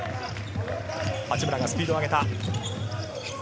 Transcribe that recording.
八村がスピードを上げた。